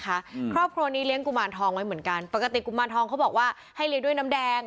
ครอบครัวนี้เลี้ยงกุมารทองไว้เหมือนกันปกติกุมารทองเขาบอกว่าให้เลี้ยงด้วยน้ำแดง